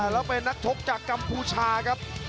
แล้วเป็นนักชกจากกัมพูชาครับ